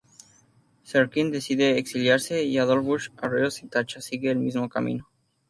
Serkin decide exiliarse y Adolf Busch, ario sin tacha, sigue el mismo camino.